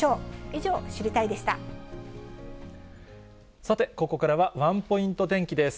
以上、さて、ここからはワンポイント天気です。